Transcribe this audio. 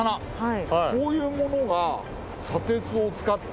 こういうものが。